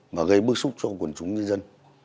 và gây bước xúc cho quần chúng nhân dân